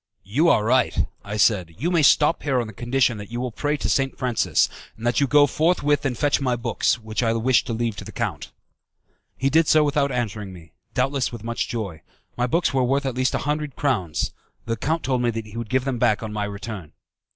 "You are right," I said, "you may stop here on the condition that you will pray to St. Francis; and that you go forthwith and fetch my books, which I wish to leave to the count." He did so without answering me, doubtless with much joy. My books were worth at least a hundred crowns. The count told me that he would give them back on my return.